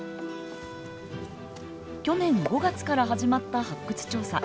去年５月から始まった発掘調査。